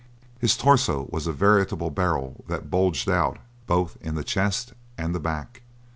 His torso was a veritable barrel that bulged out both in the chest and the back.